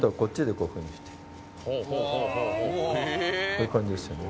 こういう感じですよね。